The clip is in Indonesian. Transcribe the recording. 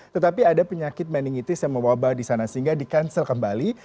tetapi ada penyakit meningitis yang mewabah di sana sehingga di cancel kembali